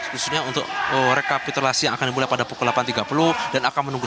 khususnya untuk rekapitulasi yang akan dimulai pada pukul delapan tiga puluh